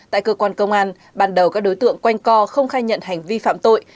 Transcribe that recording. tại cơ quan công an ban đầu các đối tượng quanh co không khai nhận hành vi phạm tội